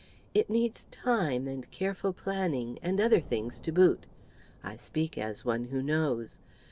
It needs time, and careful planning, and other things to boot. I speak as one who knows.